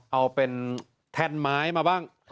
เอาเป็นแท่นไม้มาบ้าง